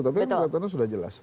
tapi kelihatannya sudah jelas